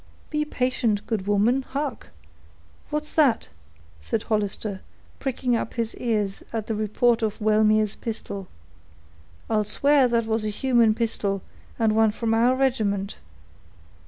"Be patient, good woman; hark! what is that?" said Hollister, pricking up his ears at the report of Wellmere's pistol. "I'll swear that was a human pistol, and one from our regiment.